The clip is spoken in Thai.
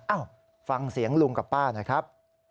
อ้าวฟังเสียงลุงกับป้านะครับ